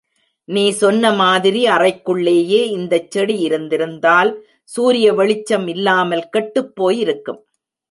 நீ சொன்ன மாதிரி அறைக்குள்ளேயே இந்தச் செடி இருந்திருந்தால், சூரிய வெளிச்சம் இல்லாமல் கெட்டுப் போயிருக்கும்.